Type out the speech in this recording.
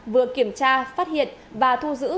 vừa kiểm tra phát hiện và thu giữ